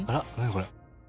これ。